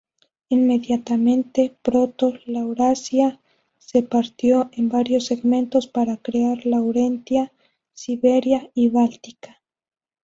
Inmediatamente, Proto-Laurasia se partió en varios segmentos para crear Laurentia, Siberia y Báltica.